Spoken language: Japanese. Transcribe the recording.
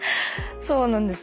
そうなんですよ。